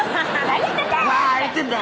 「何やってんだ！」